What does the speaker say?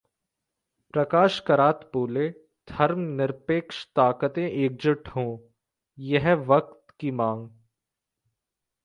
प्रकाश करात बोले- धर्मनिरपेक्ष ताकतें एकजुट हों, यह वक्त की मांग